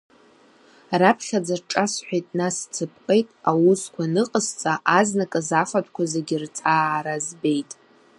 Раԥхьаӡа дҿасҳәеит, нас дсыпҟеит, аусқәа аныҟасҵа, азнык азы афатәқәа зегьы рҵаара збеит.